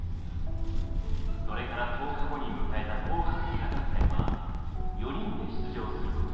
それから１０日後に迎えた「紅白歌合戦」は４人で出場することに。